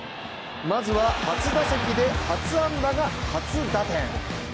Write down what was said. まずは初打席で初安打が初打点。